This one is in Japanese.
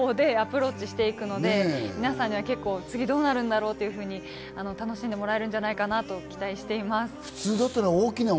それ大丈夫なの？と結構ハラハラする方法でアプローチしていくので皆さんには次どうなるんだろうというふうに楽しんでもらえるんじゃないかなと期待しています。